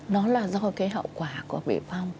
nó là do cái hậu quả của bệnh phong